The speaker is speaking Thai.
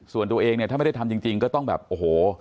ส่วนตัวเองเนี่ยถ้าไม่ได้ทำจริงก็ต้องแบบโอ้โห